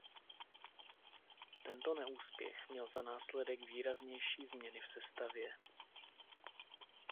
Tento neúspěch měl za následek výraznější změny v sestavě.